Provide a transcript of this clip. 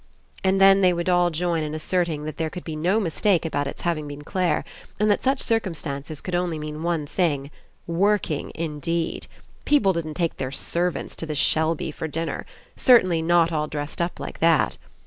And then they would all join in asserting that there could be no mistake about it's having been Clare, and that such circumstances could mean only one thing. Working indeed! People didn't take their servants to the Shelby for dinner. Cer tainly not all dressed up like that.